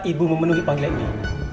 ibu memenuhi panggilan ini